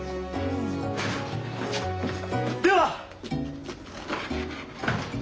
では！